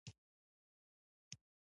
په ختیځ کې به یو نوی اسلامي قوت پیدا شي.